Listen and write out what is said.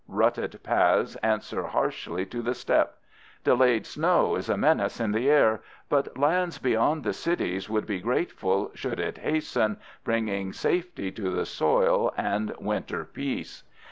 Rutted paths answer harshly to the step. Delayed snow is a menace in the air, but lands beyond the cities would be grateful should it hasten, bringing safety to the soil and winter peace.